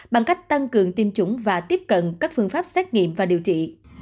bằng cách tăng cường tiêm chủng và tiếp cận các phương pháp xét nghiệm và điều trị